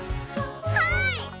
はい！